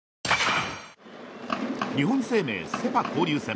日本生命セ・パ交流戦。